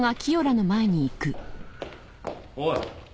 おい！